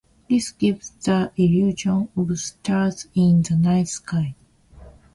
This gives the illusion of stars in the night sky.